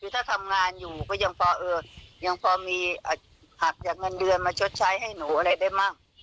คือถ้าทำงานอยู่ก็ยังพอยังพอมีหักจากเงินเดือนมาชดใช้ให้หนูอะไรได้มั่ง